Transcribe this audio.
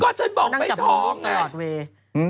ก็ฉันบอกไม่ท้องไง